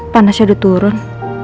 panasnya udah turun